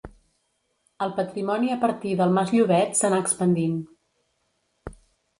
El patrimoni a partir del mas Llobet s'anà expandint.